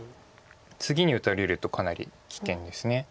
次に打たれるとかなり危険です。